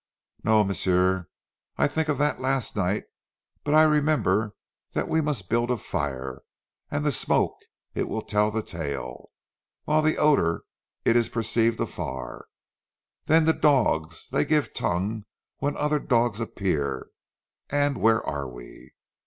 "Non, m'sieu! I tink of dat las' night; but I remember dat we must build a fire, an' zee smoke it tell zee tale; whilst zee odour it ees perceived afar. Den zee dogs, dey give tongue when oder dogs appear, an' where are we?